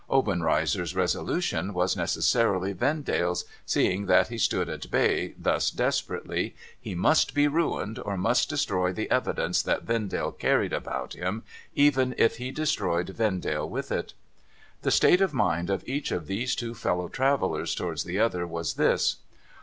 Obenreizer's resolution was necessarily Vendale's, seeing that he stood at bay thus desperately : He must be ruined, or must destroy the evidence that Vendale carried about him, even if he destroyed Vendale with it. The state of mind of each of these two fellow travellers towards the other was this.